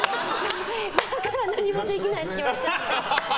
だから何もできないって言われちゃうんですよ。